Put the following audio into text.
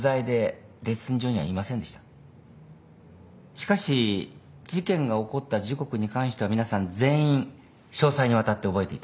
しかし事件が起こった時刻に関しては皆さん全員詳細にわたって覚えていた。